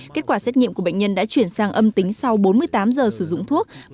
kết quả xét nghiệm của bệnh nhân đã chuyển sang âm tính sau bốn mươi tám giờ sử dụng thuốc